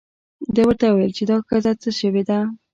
ده ورته وویل چې دا ښځه څه شوې ده.